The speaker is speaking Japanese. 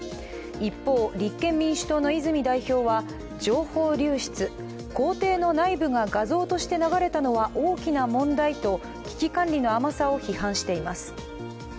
一方、立憲民主党の泉代表は情報流出、公邸の内部が画像として流れたのは大きな問題と、危機管理の甘さを批判しています。